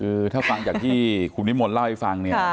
คือถ้าฟังจากที่คุณนิมนต์เล่าให้ฟังเนี่ย